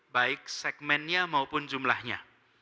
baik segmennya maupun jumlahnya